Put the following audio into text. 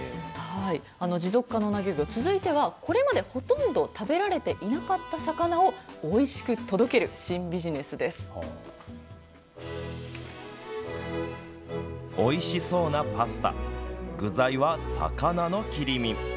持続可能な漁業、続いてはこれまではほとんど食べられていなかった魚をおいしく届けるおいしそうなパスタ具材は魚の切り身。